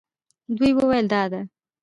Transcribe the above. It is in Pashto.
دوی وویل دا ده.